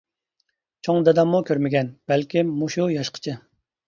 چوڭ داداممۇ كۆرمىگەن، بەلكىم مۇشۇ ياشقىچە.